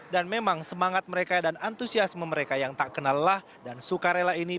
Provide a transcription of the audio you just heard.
dan memang semangat mereka dan antusiasme mereka yang tak kenallah dan suka rela ini